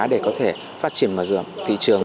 để có thể phát triển